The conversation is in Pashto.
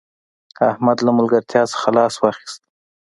احمد له ملګرتیا څخه لاس واخيست